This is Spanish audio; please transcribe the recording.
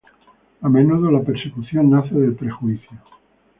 A menudo la persecución nace del "prejuicio".